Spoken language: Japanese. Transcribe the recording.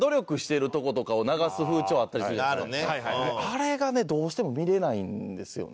あれがねどうしても見れないんですよね。